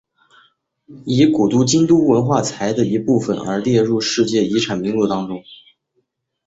以古都京都的文化财的一部分而列入世界遗产名录当中。